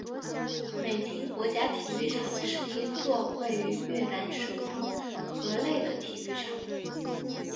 美亭国家体育场是一座位于越南首都河内的体育场。